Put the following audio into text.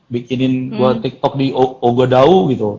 bikinin gua tiktok di ogodawu gitu